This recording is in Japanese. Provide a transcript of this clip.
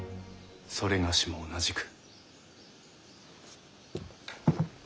某も同じく。